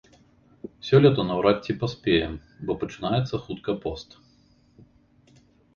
Сёлета наўрад ці паспеем, бо пачынаецца хутка пост.